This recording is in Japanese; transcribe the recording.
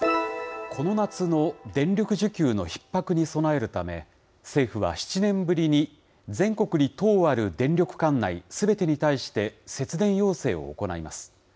この夏の電力需給のひっ迫に備えるため、政府は７年ぶりに、全国に１０ある電力管内すべてに対して、節電要請を行います。